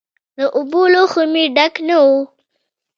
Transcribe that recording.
د اوبو لوښی مې ډک نه و.